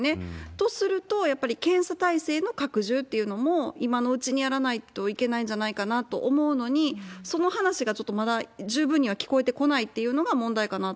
とすると、やっぱり検査体制の拡充というのも、今のうちにやらないといけないんじゃないかなと思うのに、その話がちょっとまだ十分には聞こえてこないっていうのが問題か